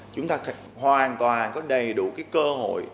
chúng ta hoàn toàn có đầy đủ cái cơ hội